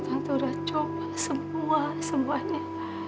tante udah coba semua semuanya